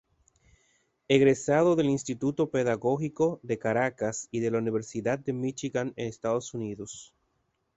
Egresado del Instituto Pedagógico de Caracas y de la Universidad de Míchigan, Estados Unidos.